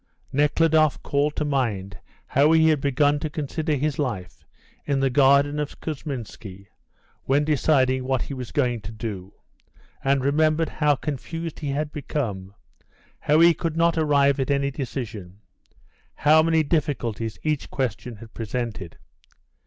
Nekhludoff called to mind how he had begun to consider his life in the garden of Kousminski when deciding what he was going to do, and remembered how confused he had become, how he could not arrive at any decision, how many difficulties each question had presented.